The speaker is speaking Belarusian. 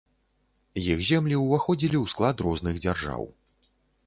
Іх землі ўваходзілі ў склад розных дзяржаў.